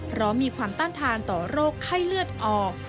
เพราะมีความต้านทานต่อโรคไข้เลือดออก